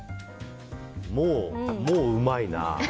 もううまいな。